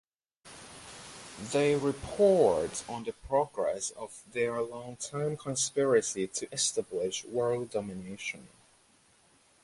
They report on the progress of their long-term conspiracy to establish world domination.